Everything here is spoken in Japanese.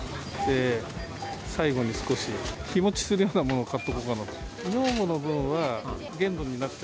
最後に少し日持ちするようなものを買っておこうかなと。